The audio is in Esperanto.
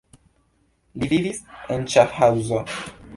Li vivis en Ŝafhaŭzo.